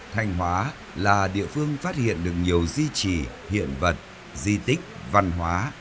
thanh hóa là địa phương phát hiện được nhiều di trị hiện vật di tích văn hóa